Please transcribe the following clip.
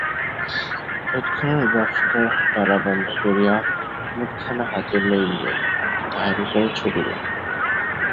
তৎক্ষণাৎ বাক্সটার ডালা বন্ধ করিয়া, নোটখানা হাতে লইয়াই তাহারা উপরে ছুটিল।